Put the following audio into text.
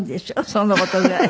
そんな事ぐらい。